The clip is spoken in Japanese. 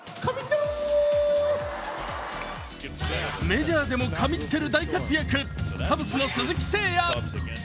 メジャーでも神ってる大活躍、カブス鈴木誠也。